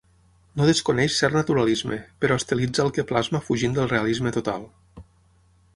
No desconeix cert naturalisme, però estilitza el que plasma fugint del realisme total.